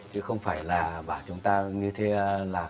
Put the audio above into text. chứ không phải là bảo chúng ta như thế nào